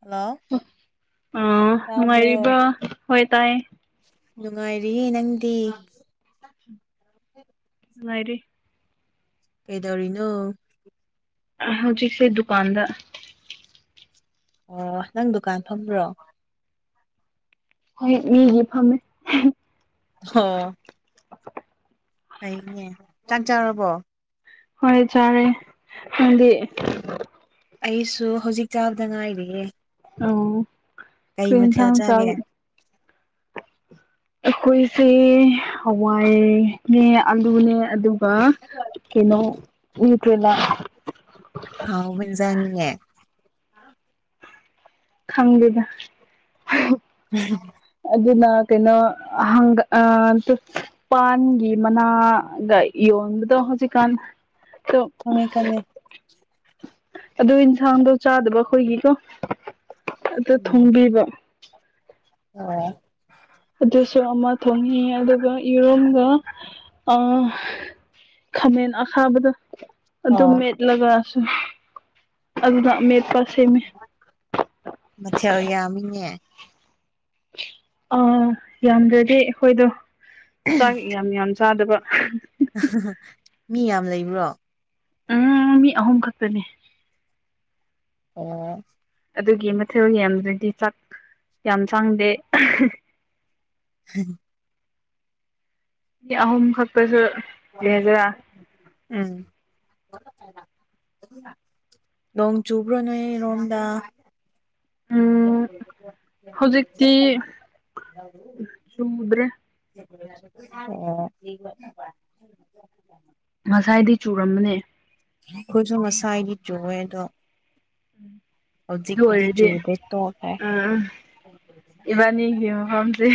hello ꯑꯥ ꯅꯨꯡꯉꯥꯏꯔꯤꯕ꯭ꯔꯥ ꯍꯣꯏ ꯇꯥꯏ ꯅꯨꯡꯉꯥꯏꯔꯤ ꯅꯪꯗꯤ ꯑꯥꯏꯔꯤꯦ ꯀꯩꯗꯧꯔꯤꯅꯣ ꯍꯧꯖꯤꯛꯁꯦ ꯗꯨꯀꯥꯟꯗ ꯑꯣ ꯅꯪ ꯗꯨꯀꯥꯟ ꯐꯕ꯭ꯔꯣ ꯍꯣꯏ ꯃꯤꯒꯤ ꯐꯝꯃꯦ ꯍ [unintelligible] [inaudible] ꯍꯩꯅꯦ ꯆꯪ ꯆꯔꯕꯣ ꯍꯣꯏ ꯆꯥꯔꯦ ꯑꯗꯤ ꯑꯩꯁꯨ ꯍꯧꯖꯤꯛ ꯆꯥꯕꯗ ꯉꯥꯏꯔꯤꯌꯦꯦ ꯑꯥꯎ [unintelligible] [inaudible] ꯀꯩ ꯃꯊꯦꯜ ꯆꯥꯒꯦ ꯑꯩꯈꯣꯏꯁꯦ ꯍꯋꯥꯏꯅꯦ ꯑꯂꯨꯅꯦ ꯑꯗꯨ ꯑ ꯀꯩꯅꯣꯠꯇꯦꯂ ꯑ [unintelligible] [inaudible] ꯈꯪꯗꯦꯗ ꯑꯗꯨ ꯂ ꯀꯩꯅꯣ ꯍꯪꯒꯥ ꯄꯥꯟꯒꯤ ꯃꯅꯥꯒ ꯌꯣꯟꯕꯗꯣ ꯍꯧꯖꯤꯛ ꯀꯥꯟ ꯈꯪꯉꯦ ꯈꯪꯉꯦ ꯑꯗꯨ ꯌꯦꯟꯁꯥꯡꯗꯣ ꯆꯥꯗꯕ ꯑꯩꯈꯣꯏꯒꯤꯀꯣ ꯑ ꯊꯣꯡꯕꯤꯕ ꯑ [unintelligible] [inaudible] ꯑꯣ [unintelligible] [inaudible] ꯑꯗꯨꯁꯨ ꯑꯃ ꯊꯣꯡꯉꯤ ꯑꯗꯨꯒ ꯌꯦꯔꯨꯝꯒ ꯑ ꯈꯃꯦꯟ ꯑꯁꯥꯕꯗ ꯑꯗꯨ ꯑꯣ ꯃꯦꯠꯂꯒꯁꯨ ꯑꯗꯨꯅ ꯃꯦꯠꯄ ꯁꯦꯝꯃꯤ ꯃꯊꯌꯥ ꯌꯥꯝꯃꯤꯅꯦꯦ ꯑ ꯌꯥꯝꯗ꯭ꯔꯗꯤ ꯑꯩꯈꯣꯏꯗꯣ ꯆꯥꯛ ꯌꯥꯝ ꯌꯥꯝ ꯆꯥꯗꯕ ꯃꯤ ꯌꯥꯝ ꯂꯩꯕ꯭ꯔꯣ ꯎꯝ ꯃꯤ ꯑꯍꯨꯝ ꯈꯛꯇꯅꯤ ꯑꯣ [unintelligible] [inaudible] ꯑꯗꯨꯒꯤ ꯃꯊꯦꯜ ꯌꯥꯝꯗ꯭ꯔꯗꯤ ꯆꯥꯛ ꯌꯥꯝ ꯆꯥꯡꯗꯦ ꯍꯝ [inaudible] ꯃꯤ ꯑꯍꯨꯝ ꯈꯛꯇꯁꯨ ꯂꯩꯖꯔꯥ ꯎꯝ ꯅꯣꯡ ꯆꯨꯕ꯭ꯔꯣ ꯅꯣꯏ ꯔꯣꯝꯗꯥ ꯎꯝ ꯍꯧꯖꯤꯛꯇꯤ ꯆꯨꯗ꯭ꯔꯦ ꯑ [unintelligible] [inaudible] ꯉꯁꯥꯏꯗꯤ ꯆꯨꯔꯝꯕꯅꯦ ꯑꯩꯈꯣꯏꯁꯨ ꯃꯁꯥꯏ ꯑꯩꯗꯤ ꯆꯨꯑꯦ ꯑꯗꯣ ꯎꯝ [unintelligible] [inaudible] ꯍꯧꯖꯤꯛ ꯀꯗꯤ ꯆꯨꯔꯗ ꯇꯣ ꯍꯥꯏ ꯏꯕꯥꯅꯤ ꯍꯐꯝꯝꯁꯤ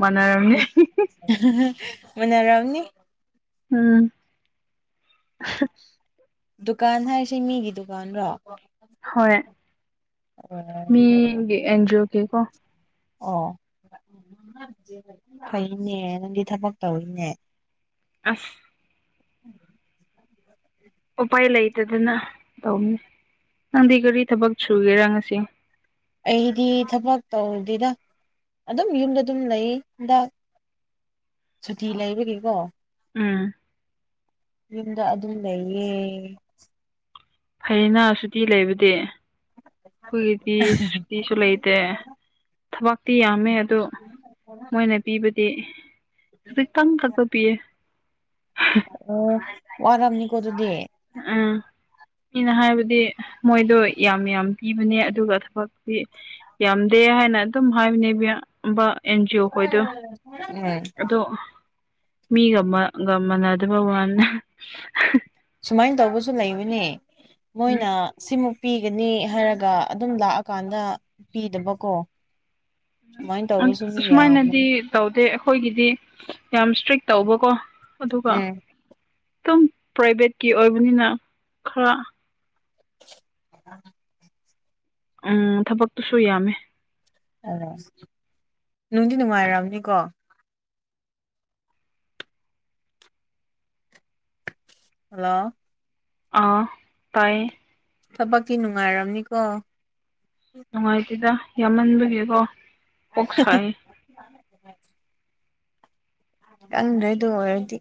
ꯃꯅꯣꯔꯝꯅꯤ ꯃꯅꯔꯝꯅꯤ ꯎꯝ [unintelligible] [inaudible] ꯗꯨꯀꯥꯟ ꯍꯥꯏꯔꯤꯁꯦ ꯃꯤꯒꯤ ꯗꯨꯀꯥꯟꯔꯣ ꯍꯣꯏ ꯃꯤ ꯑꯣ ꯑꯦꯟꯖꯤ ꯑꯣ ꯀꯦ ꯀꯣ ꯑꯣ ꯐꯩꯅꯦ ꯅꯪꯗꯤ ꯊꯕꯛ ꯇꯧꯔꯤꯅꯦ ꯑꯁ ꯎꯝ ꯎꯄꯥꯏ ꯂꯩꯇꯗꯅ ꯇꯧꯅꯤ ꯅꯪꯗꯤ ꯀꯔꯤ ꯊꯕꯛ ꯁꯨꯒꯦꯔꯪ ꯉꯁꯤ ꯑꯩꯗꯤ ꯊꯕꯛ ꯇꯧꯗꯗ ꯑꯗꯨꯝ ꯌꯨꯝꯗ ꯑꯗꯨꯝ ꯂꯩ ꯍꯟꯗꯥꯛ ꯁꯨꯇꯤ ꯂꯩꯕꯒꯤꯀꯣ ꯎꯝ [unintelligible] [inaudible] ꯌꯨꯝꯗ ꯑꯗꯨꯝ ꯂꯩꯌꯦ ꯐꯩꯅ ꯁꯨꯇꯤ ꯂꯩꯕꯗꯤ ꯍꯣꯏꯒꯤꯗꯤꯇꯁꯨ ꯂꯩꯇꯦ ꯊꯕꯛꯇꯤ ꯌꯥꯝꯃꯦ ꯑꯗꯨ ꯃꯣꯏꯅ ꯄꯤꯕꯗꯤ ꯍꯧꯖꯤ ꯀꯪ ꯀꯛꯄ ꯄꯤꯌꯦ ꯑꯣ ꯑꯔꯝꯅꯤ ꯀꯗꯦ ꯑꯥ ꯑꯩꯅ ꯍꯥꯏꯕꯗꯤ ꯃꯣꯏꯗꯣ ꯌꯥꯝ ꯌꯥꯝ ꯄꯤꯕꯅꯦ ꯑꯗꯨꯒ ꯊꯕꯛꯇꯤ ꯌꯥꯝꯗꯦ ꯍꯥꯏꯅ ꯑꯗꯨꯝ ꯍꯥꯏꯕꯅꯦꯕꯕ ꯑꯦꯟꯖꯤ ꯑꯣ ꯈꯣꯏꯗꯣ ꯎꯝ ꯑꯗꯣ ꯃꯤꯒꯒ ꯃꯅꯗꯕ ꯋꯥꯟꯅ ꯁꯨꯃꯥꯏꯅ ꯇꯧꯕꯁꯨ ꯂꯩꯕꯅꯦ ꯃꯣꯏꯅ ꯁꯤꯃꯨꯛ ꯄꯤꯒꯅꯤ ꯍꯥꯏꯔꯒ ꯑꯗꯨꯝ ꯂꯥꯛꯑꯀꯥꯟꯗ ꯄꯤꯗꯕꯀꯣ ꯁꯨꯃꯥꯏꯅ ꯇꯧꯕꯁꯨ ꯃꯤ ꯁꯨꯃꯥꯏꯅꯗꯤ ꯌꯥꯝꯕꯅꯤ ꯇꯧꯗꯦ ꯑꯩꯈꯣꯏꯒꯤꯗꯤ ꯌꯥꯝ ꯏꯁꯇ꯭ꯔꯤꯛ ꯇꯧꯕꯀꯣ ꯑꯗꯨꯒ ꯎꯝ ꯈꯤꯇꯝ ꯄ꯭ꯔꯥꯏꯚꯦꯠꯀꯤ ꯑꯣꯏꯕꯅꯤꯅ ꯈꯔ ꯎ ꯎꯝ ꯊꯕꯛꯇꯨꯁꯨ ꯌꯥꯝꯃꯦ ꯑ ꯅꯨꯡꯗꯤ ꯅꯨꯡꯉꯥꯏꯔꯑꯝꯅꯤꯀꯣ ꯍꯜꯂꯣ ꯑꯥ ꯇꯥꯏꯌꯦ ꯊꯕꯛꯛꯇꯤ ꯅꯨꯡꯉꯥꯏꯔꯝꯅꯤꯀꯣ ꯅꯨꯡꯉꯥꯏꯇꯦꯗ ꯌꯥꯝꯃꯟꯕꯒꯤꯀꯣ ꯀꯣꯛ ꯁꯥꯏ ꯀꯪ ꯂꯩꯦꯗ ꯑꯣꯏꯗꯤ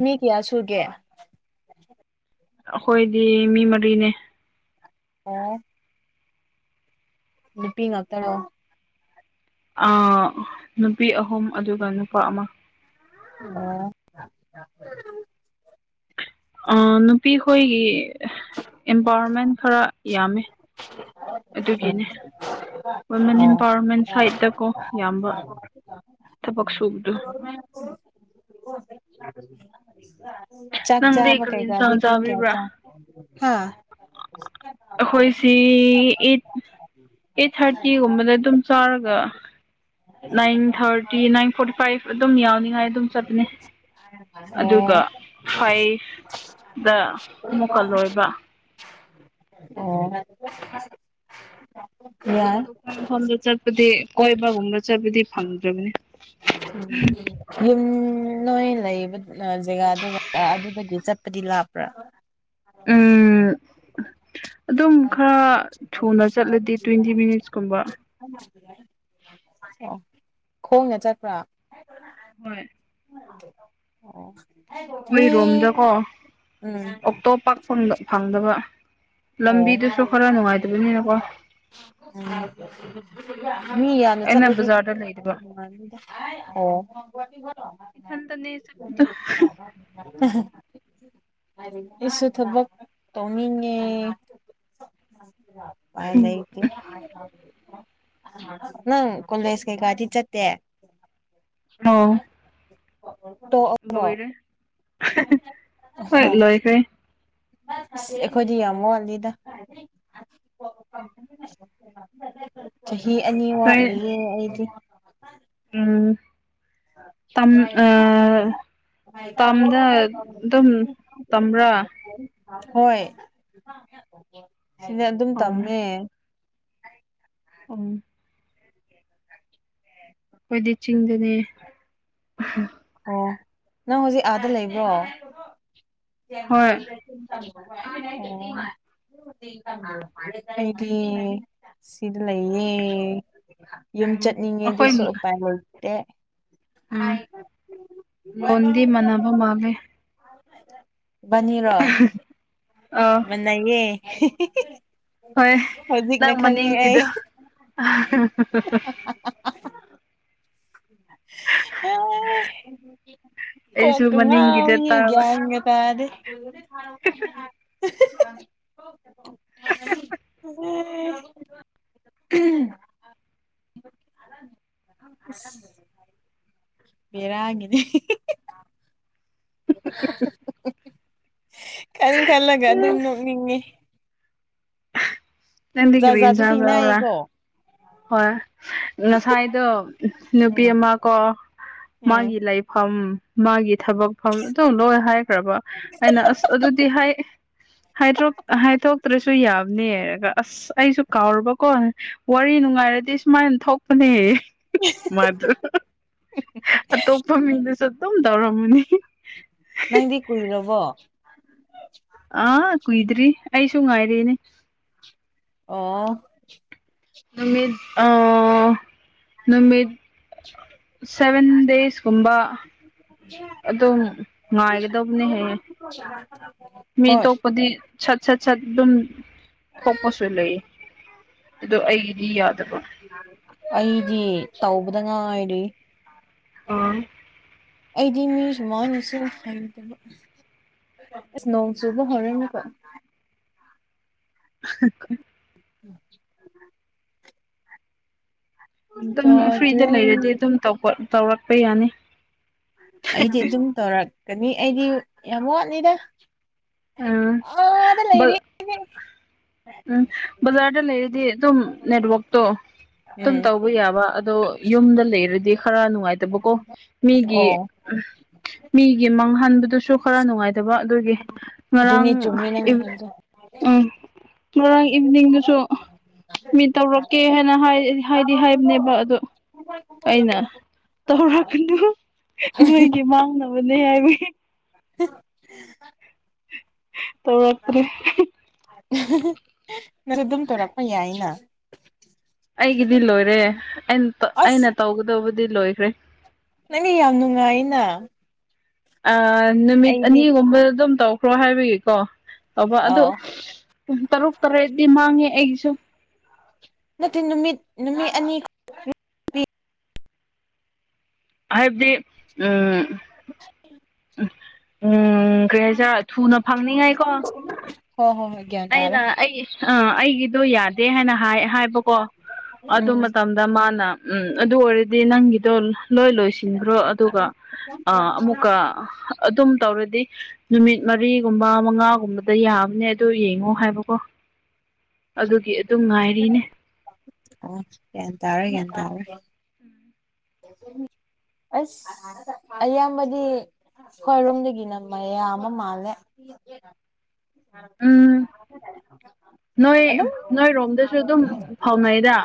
ꯃꯤ ꯀꯌꯥ ꯁꯨꯒꯦ ꯑꯩꯈꯣꯏꯗꯤ ꯃꯤ ꯃꯔꯤꯅꯦ ꯑꯣ ꯅꯨꯄꯤ ꯉꯥꯛꯇꯔꯣ ꯑ ꯅꯨꯄꯤ ꯑꯍꯨꯝ ꯑꯗꯨꯒ ꯅꯨꯄꯥ ꯑꯃ [unintelligible] ꯅꯨꯄꯤꯈꯣꯏꯒꯤ ꯑꯦꯝꯄꯥꯋꯔꯃꯦꯟ ꯈꯔ ꯌꯥꯝꯃꯦ ꯑꯗꯨꯒꯤꯅꯦ ꯋꯨꯃꯦꯟ ꯑꯣ ꯑꯝꯄꯥꯋꯔꯃꯦꯟ ꯁꯥꯏꯗꯠꯇꯀꯣ ꯌꯥꯝꯕ ꯊꯕꯛ ꯁꯨꯕꯗꯣ ꯆꯥꯛ ꯅꯪꯗꯤ ꯆꯥꯕ ꯀꯔꯤ ꯀꯩꯀꯥꯗꯤ ꯏꯟꯁꯥꯡ ꯄꯨꯡ ꯀꯌꯥ ꯆꯥꯕꯤꯕ꯭ꯔꯥ ꯆꯥꯏ ꯑꯩꯈꯣꯏꯁꯤ ꯏꯠ ꯑꯩꯠ ꯊꯥꯔꯇꯤꯒꯨꯝꯕꯗ ꯑꯗꯨꯝ ꯆꯥꯔꯒ nine thirty nine forty five ꯑꯗꯨꯝ ꯌꯥꯎꯅꯤꯉꯥꯏ ꯑꯗꯨꯝ ꯆꯠꯄꯅꯦ ꯑꯗꯨꯒ ꯑꯣ ꯐꯥꯏꯚ ꯗ ꯃꯨꯛꯀꯜꯂꯣꯏꯕ ꯑꯣ ꯌꯥꯏ ꯑꯗꯨ ꯆꯠꯄꯗꯤ ꯀꯣꯏꯕꯒꯨꯝ꯭ꯔ ꯆꯠꯄꯗꯤ ꯐꯪꯗ꯭ꯔꯕꯅꯤ ꯌꯨꯝ ꯅꯣꯏ ꯂꯩꯕ ꯖꯒꯥꯗꯨ ꯑꯗꯨꯗꯒꯤ ꯆꯠꯄꯗꯤ ꯂꯥꯛꯄ꯭ꯔꯥ ꯎꯝ ꯑꯗꯨꯝ ꯈꯔ ꯊꯨꯅ ꯆꯠꯂꯗꯤ ꯇ꯭ꯋꯦꯟꯇꯤ ꯃꯤꯅꯤꯠꯁꯀꯨꯝꯕ ꯑꯣ ꯈꯣꯡꯅ ꯆꯠꯄ꯭ꯔꯥ ꯍꯣꯏ ꯃꯤ ꯑꯩꯈꯣꯏ ꯔꯣꯝꯗꯀꯣ ꯎꯝ ꯑꯣꯇꯣꯞꯄ ꯐꯪꯗꯕ ꯑꯣ ꯂꯝꯕꯤꯗꯨꯁꯨ ꯈꯔ ꯅꯨꯡꯉꯥꯏꯇꯕꯅꯤꯅꯀꯣ ꯃꯤ ꯌꯥꯝꯅ ꯑꯩꯅ ꯆꯠꯂꯗꯤ ꯕꯖꯥꯔꯗ ꯂꯩꯗꯕ ꯑꯣ ꯏꯊꯟꯇꯅꯦ ꯆꯠꯄ ꯎ ꯑꯩꯁꯨ ꯊꯕꯛ ꯇꯧꯅꯤꯡꯉꯦ ꯎꯄꯥꯏ ꯎꯝ ꯂꯩꯇꯦ ꯅꯪ ꯀꯣꯜꯗꯦꯁ ꯀꯩꯀꯗꯤ ꯆꯠꯇꯦ ꯑ ꯇꯣ ꯑ ꯍꯣꯏ ꯂꯣꯏꯈ ꯑꯁ ꯑꯩꯈꯣꯏꯗꯤ ꯌꯥꯝ ꯋꯥꯜꯂꯤꯗ ꯆꯍꯤ ꯑꯅꯤ ꯅꯣꯏ ꯋꯥꯠꯂꯤꯌꯦꯦ ꯑꯩꯗꯤ ꯎꯝ ꯇꯝ ꯑ ꯇꯝꯗ ꯑꯗꯨꯝ ꯇꯝꯕ꯭ꯔꯥ ꯍꯣꯏ ꯁꯤꯅꯦ ꯑꯗꯨꯝ ꯇꯝꯃꯦ ꯎꯝ ꯑꯩꯣꯏꯗꯤ ꯆꯤꯡꯗꯅꯦ ꯑꯣ ꯅꯪ ꯍꯧꯖꯤꯛ ꯑꯥꯗ ꯂꯩꯕ꯭ꯔꯣ ꯍꯣꯏ [unintelligible] ꯗꯤ ꯁꯤꯗ ꯂꯩꯌꯦꯦ ꯌꯨꯝ ꯎꯝ ꯆꯠꯅꯤꯡꯉꯦ ꯑꯩꯈꯣꯏ ꯑꯗꯨꯁꯨ ꯎꯄꯥꯏ ꯂꯩꯇꯦ ꯎꯝ ꯂꯣꯟꯗꯤ ꯃꯅꯕ ꯃꯥꯂꯦ ꯅꯤꯔꯣ ꯑꯥ ꯃꯅꯌꯦꯦ ꯍꯣꯏ ꯍꯧꯖꯤꯛꯅ ꯅꯪ ꯈꯪꯉꯦ ꯑꯩ ꯃꯅꯤꯡꯒꯤꯗꯣ [unintelligible] ꯑ ꯑꯩꯁꯨ ꯀꯀ ꯉ ꯃꯅꯤꯡꯒꯤꯗ ꯇꯥꯕ ꯌꯥꯏꯒ ꯇꯥꯗ [inaudible] ꯎꯝ [unintelligible] ꯕꯔꯗ ꯀꯟ ꯈꯜꯂꯒ ꯑꯗꯨꯝ ꯅꯣꯛꯅꯤꯡꯉꯤ ꯇꯗꯤ ꯀ꯭ꯔ ꯖꯥꯠꯁꯨ ꯆꯥꯡꯗꯕꯂ ꯊꯦꯡꯅꯩꯀꯣ ꯍꯣꯏ ꯉꯁꯥꯏꯗꯣ ꯅꯨꯄꯤ ꯎꯝ ꯑꯃ ꯀꯣ ꯎꯝ ꯃꯥꯒꯤ ꯂꯩꯥꯏꯐꯝꯝ ꯃꯥꯒꯤ ꯊꯕꯛ ꯐ ꯑꯗꯨꯝ ꯂꯣꯏ ꯍꯥꯏꯈ꯭ꯔꯕ ꯑꯩꯅ ꯑꯁ ꯑꯗꯨꯗꯤ ꯍꯥꯏ ꯍꯥꯏꯗ꯭ꯔꯣꯛ ꯍꯥꯏꯗꯣꯛꯇ꯭ꯔꯁꯨ ꯌꯥꯝꯅꯤ ꯍꯥꯏꯔꯒ ꯑꯁ ꯑꯩꯁꯨ ꯀꯥꯎꯨꯔꯕꯀꯣ ꯋꯥꯔꯤ ꯅꯨꯡꯉꯥꯏꯔꯗꯤ ꯁꯨꯃꯥꯏꯅ ꯊꯣꯛꯄꯅꯦ ꯃꯗꯨ ꯑꯇꯣꯞꯄ ꯃꯤꯗꯨꯁꯨ ꯑꯗꯨꯝ ꯇꯧꯔꯝꯃꯅꯤ ꯅꯪꯗꯤ ꯀꯨꯏꯔꯕꯣ ꯑꯥ ꯀꯨꯏꯗ꯭ꯔꯤ ꯑꯩꯁꯨ ꯉꯥꯏꯔꯦꯅꯦ ꯑ ꯅꯨꯃꯤꯠ ꯑ ꯅꯨꯃꯤꯠ ꯁꯚꯦꯟ ꯗꯦꯖꯀꯨꯝꯕ ꯑꯗꯨꯝ ꯉꯥꯏꯒꯗꯧꯕꯅꯤ ꯍ ꯃꯤ ꯍꯣꯏ ꯇꯣꯛꯄꯗꯤ ꯁꯠ ꯁꯠ ꯁꯠ ꯑꯗꯨꯝ ꯊꯣꯛꯄꯁꯨ ꯂꯩ ꯑꯗꯨ ꯑꯩꯒꯤꯗꯤ ꯌꯥꯗꯕ꯭ꯔꯥ ꯑꯩꯗꯤ ꯇꯧꯕꯗ ꯉꯥꯏꯔꯤ ꯑꯣ ꯑꯩꯗꯤ ꯃꯤ꯭ꯖꯃꯅꯁꯤꯡ ꯍꯥꯏ ꯇ ꯏꯁ ꯅꯣꯡꯁꯨꯨꯕꯥ ꯍꯅꯔꯅ ꯀꯜ ꯑ ꯎꯝ ꯑꯗꯨꯝ ꯐ꯭ꯔꯤꯗ ꯇꯥꯗ꯭ꯔꯦ ꯂꯩꯔꯗꯤ ꯑꯗꯨꯝ ꯇꯧꯔꯛꯄ ꯌꯥꯅꯤ ꯑꯩꯗꯤ ꯑꯗꯨꯝ ꯇꯧꯔꯛꯀꯅꯤ ꯑꯩꯗꯤ ꯌꯥꯝ ꯋꯥꯠꯅꯤꯗ ꯑ ꯎꯝ ꯕꯖꯥꯔꯗ ꯂꯩꯔꯤꯗꯤ ꯑꯗꯨꯝ ꯅꯦꯠꯋꯥꯛꯛꯇꯣ ꯑꯗꯨꯝ ꯎꯝ ꯇꯧꯕ ꯌꯥꯕ ꯑꯗꯣ ꯌꯨꯝꯗ ꯂꯩꯔꯗꯤ ꯈꯔ ꯅꯨꯡꯉꯥꯏꯇꯕꯀꯣ ꯃꯤꯒꯤ ꯑꯣ ꯃꯤꯒꯤ ꯃꯥꯡꯍꯟꯕꯗꯨꯁꯨ ꯈꯔ ꯅꯨꯡꯉꯥꯏꯇ ꯑꯗꯨꯒꯤ ꯑꯗꯨꯅꯤ ꯉꯔꯥꯡ ꯆꯨꯝꯃꯤ ꯅꯪ ꯍꯥꯏꯕꯗꯣ ꯎꯝ ꯉꯔꯥꯡ ꯏꯚꯤꯅꯤꯡꯗꯨꯁꯨ ꯃꯤꯠ ꯇꯧꯔꯛꯀꯦ ꯍꯥꯏꯅ ꯍꯥꯏꯗꯤ ꯍꯥꯏꯕꯅꯦꯕ ꯑꯗ ꯑꯩꯅ ꯇꯧꯔꯛꯀꯅꯨ ꯅꯣꯏꯒꯤ ꯃꯥꯡꯅꯕꯅꯦ ꯍꯥꯏꯕꯒꯤ ꯇꯧꯔꯛꯇ꯭ꯔꯦ [inaudible] [inaudible] ꯅ ꯑꯗꯨꯝ ꯇꯧꯔꯛꯄ ꯌꯥꯏꯅ ꯑꯩꯒꯤꯗꯤ ꯂꯣꯏꯔꯦ ꯑꯩꯅ ꯇꯧꯒꯗꯕꯨꯗꯤ ꯂꯣꯏꯈ꯭ꯔꯦ ꯅꯪꯅꯦ ꯌꯥꯝ ꯅꯨꯡꯉꯥꯏꯅ ꯑ ꯅꯨꯃꯤꯠ ꯑꯩꯗꯤ ꯑꯅꯤꯒꯨꯝꯕ ꯑꯗꯨꯝ ꯇꯧꯈ꯭ꯔꯣ ꯍꯥꯏꯕꯒꯤꯀꯣ ꯇꯧꯕ ꯑꯗꯨ ꯑꯥꯎ ꯇꯔꯨꯛ ꯇꯔꯦꯠꯗꯤ ꯃꯥꯡꯉꯦ ꯑꯩꯒꯤꯁꯨ ꯅꯠꯇꯦ ꯅꯨꯃꯤꯠ ꯅꯨꯃꯤꯠ ꯑꯅꯤ ꯈꯛꯇꯤ ꯍꯥꯏꯕꯗꯤ ꯎꯝ ꯎꯝ ꯀꯩ ꯍꯥꯏꯁꯦꯔ ꯊꯨꯅ ꯐꯪꯅꯤꯡꯉꯥꯏꯀꯣ ꯍꯣ ꯍꯣꯏ ꯒ꯭ꯌꯥꯟ ꯇꯥꯔꯦ ꯑꯩꯅ ꯑꯩ ꯑꯥ ꯑꯩꯒꯤꯗꯣ ꯌꯥꯗꯦ ꯍꯥꯏꯅ ꯍꯥꯏꯕꯀꯣ ꯑꯗꯨ ꯎꯝ ꯃꯇꯝꯗ ꯃꯥꯅ ꯎꯝ ꯑꯗꯨ ꯑꯣꯏꯔꯗꯤ ꯅꯪꯒꯤꯗꯣ ꯂꯣꯏ ꯂꯣꯏꯁꯤꯟꯈ꯭ꯔꯣ ꯑꯗꯨꯒ ꯑꯃꯨꯛꯀ ꯑꯗꯨꯝ ꯇꯧꯔꯗꯤ ꯅꯨꯃꯤꯠ ꯃꯔꯤꯒꯨꯝꯕ ꯃꯉꯥꯒꯨꯝꯕꯗ ꯌꯥꯕꯅꯦ ꯑꯗꯨ ꯌꯦꯡꯉꯣ ꯍꯥꯏꯕꯀꯣ ꯑꯗꯨꯒꯤ ꯑꯗꯨꯝ ꯉꯥꯏꯔꯤꯅꯦ ꯑꯣ ꯌꯦꯇꯥ ꯑꯣꯏꯔꯦ ꯌꯦꯇꯥꯔ ꯑꯁ ꯑꯌꯥꯝꯕꯗꯤ ꯈꯣꯏꯔꯣꯝꯗꯒꯤꯅ ꯃꯌꯥꯝ ꯑꯃ ꯃꯥꯜꯂꯦ ꯎꯝ ꯅꯣꯏ ꯑꯗꯨꯝ ꯅꯣꯏ ꯔꯣꯝꯗꯁꯨ ꯑꯗꯨꯝ ꯐꯥꯎꯅꯩꯗ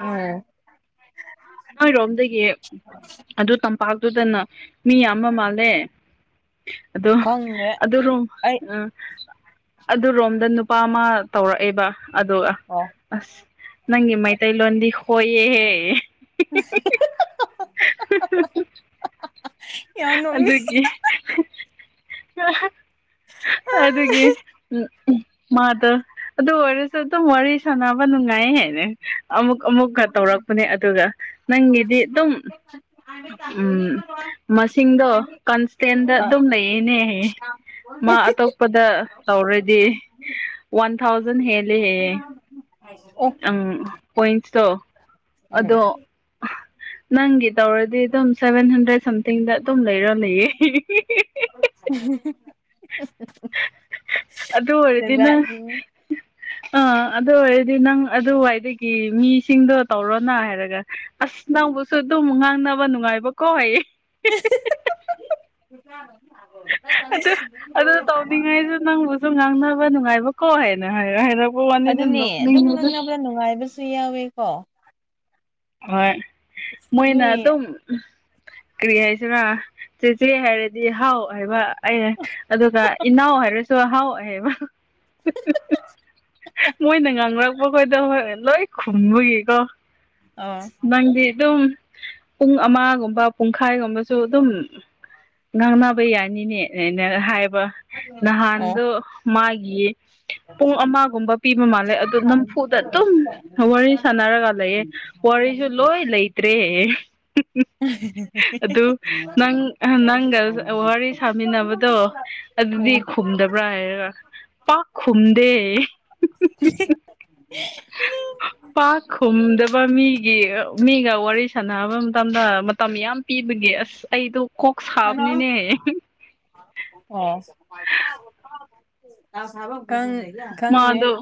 ꯑꯣ ꯅꯣꯏꯔꯣꯝꯗꯒꯤ ꯑꯗꯨ ꯇꯝꯄꯥꯛꯇꯨꯗꯅ ꯃꯤ ꯌꯥꯝꯕ ꯃꯥꯜꯂꯦ ꯑꯗꯣ ꯈꯪꯗꯦ ꯑꯗꯨꯔꯣꯝ ꯑꯩ ꯑ ꯑꯗꯨ ꯔꯣꯝꯗ ꯅꯨꯄꯥ ꯑꯃ ꯇꯧꯔꯛꯑꯦꯕ ꯑꯗꯨꯒ ꯑꯣ ꯑꯁ ꯅꯪꯒꯤ ꯃꯩꯇꯩꯂꯣꯟꯗꯤ ꯍꯣꯏꯌꯦꯍꯦ [inaudible] [inaudible] ꯌꯥꯝ ꯅꯣꯛꯅꯤꯡ ꯑꯗꯨꯒꯤ ꯑꯗꯨꯒꯤ ꯃꯥꯗ ꯑꯗꯨ ꯑꯣꯏꯔꯁꯨ ꯑꯗꯨꯝ ꯋꯥꯔꯤ ꯁꯅꯥꯕ ꯅꯨꯡꯉꯥꯏ ꯍꯦꯅꯦ ꯑꯃꯨꯛ ꯑꯃꯨꯛꯀ ꯇꯧꯔꯛꯄꯅꯦ ꯑꯗꯨꯒ ꯅꯪꯒꯤꯗꯤ ꯑꯗꯨꯝ ꯎꯝ ꯃꯁꯤꯡꯗꯣ ꯀꯟꯁꯇꯦꯟꯗ ꯑ ꯑꯗꯨꯝ ꯂꯩꯌꯦꯅꯦ ꯃꯥ ꯑꯇꯣꯞꯄꯗ ꯇꯧꯔ ꯗꯤ ꯋꯥꯟ ꯊꯥꯎꯖꯟ ꯍꯦꯜꯂꯦꯦ ꯄꯣꯏꯟ ꯑ ꯅꯪꯒꯤ ꯇꯧꯔꯗꯤ ꯑꯗꯨꯝ ꯁꯕꯦꯟ ꯁꯝꯊꯤꯡꯗ ꯑꯗꯨꯝ ꯂꯩꯔꯣ ꯂꯩꯌꯦ ꯑꯗꯨ ꯖꯥꯠ ꯑꯣꯏꯔꯗꯤꯅ ꯖꯥꯠꯅꯤ ꯑ ꯑꯗꯨ ꯑꯣꯏꯗꯤ ꯑꯗꯨ ꯅꯪ ꯑꯗꯨꯋꯥꯏꯗꯒꯤ ꯃꯤꯁꯤꯡꯗꯣ ꯇꯧꯔꯣꯅ ꯍꯥꯏꯔꯒ ꯑꯁ ꯅꯪꯕꯨꯁꯨ ꯑꯗꯨꯝ ꯉꯥꯡ ꯅꯕ ꯅꯨꯡꯉꯥꯏꯕ ꯀꯣ ꯍꯌꯦ ꯀꯥ ꯑ ꯑꯗꯨ ꯑꯗꯨ ꯇꯧꯅꯤꯡꯉꯥꯏꯁꯨ ꯅꯪꯕꯨꯁꯨ ꯉꯥꯡꯅꯕ ꯅꯨꯡꯉꯥꯏꯕꯀꯣ ꯍꯥꯏꯅ ꯍꯥꯏꯔꯛꯄ ꯋꯥ ꯑꯗꯨꯅꯦ ꯑꯗꯨꯝ ꯉꯪꯅꯕꯗ ꯅꯨꯡꯉꯥꯏꯕꯁꯨ ꯌꯥꯎꯋꯦꯀꯣ ꯍꯣꯏ ꯃꯣꯏꯅ ꯃꯤ ꯑꯗꯨꯝ ꯀꯔꯤ ꯍꯥꯏꯁꯤꯔ ꯆꯦꯆꯦ ꯍꯥꯏꯔꯗꯤ ꯍꯥꯎ ꯍꯥꯏꯕ ꯑꯩ ꯑꯗꯨꯒ ꯏꯅꯥꯎ ꯍꯥꯏꯔꯁꯨ ꯑꯍꯥꯎ ꯑꯣꯏꯍꯦꯕ ꯃꯣꯏꯅ ꯉꯥꯡꯉꯛꯄ ꯈꯣꯏꯗ ꯍꯣꯏ ꯂꯣꯏ ꯈꯨꯝꯕꯒꯤꯀꯣ ꯑ ꯅꯪꯗꯤ ꯑꯗꯨꯝ ꯄꯨꯡ ꯑꯃꯒꯨꯝꯕ ꯄꯨꯡꯈꯥꯏꯒꯨꯝꯕꯁꯨ ꯑꯗꯨꯝ ꯉꯥꯡꯅꯕ ꯌꯥꯅꯤꯅꯦꯅꯦꯅ ꯍꯥꯏꯕ ꯑꯣ ꯅꯍꯥꯟꯗꯣ ꯃꯥꯒꯤ ꯄꯨꯡ ꯑꯃꯒꯨꯝꯕ ꯄꯤꯕ ꯃꯥꯜꯂꯦ ꯑꯗꯨ ꯅꯝꯐꯨꯗ ꯑꯗꯨꯝ ꯋꯥꯔꯤ ꯁꯥꯟꯅꯔꯒ ꯂꯩꯑ ꯁꯨ ꯂꯣꯏ ꯂꯇ꯭ꯔꯦ ꯍ ꯑꯗꯨ ꯅꯪ ꯅꯪꯒ ꯋꯥꯔꯤ ꯁꯥꯃꯤꯟꯅꯕꯗꯣ ꯗꯤ ꯎꯝ ꯈꯨꯝꯗꯕ꯭ꯔꯥ ꯄꯥꯛ ꯈꯨꯝꯗꯦ ꯎ ꯄꯥꯛꯈꯨꯝꯗꯕ ꯃꯤꯒꯤ ꯃꯤꯒ ꯋꯥꯔꯤ ꯁꯥꯟꯅꯕ ꯃꯇꯝꯗ ꯃꯇꯝ ꯌꯥꯝ ꯄꯤ ꯒꯤ ꯑꯁ ꯑꯩꯗꯨ ꯍꯅꯣ ꯑꯣ ꯈꯪꯗꯦ ꯃꯥꯗꯣ